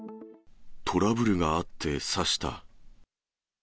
トラブルがあって、刺した。